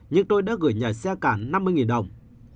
nhưng tôi đã gửi nhà xe cả năm mươi đồng